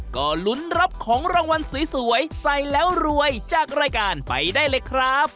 ก็ลุ้นรับของรางวัลสวยใส่แล้วรวยจากรายการไปได้เลยครับ